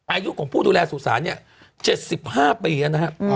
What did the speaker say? อายุของผู้ดูแลสุสานเนี่ย๗๕ปีแล้วนะฮะ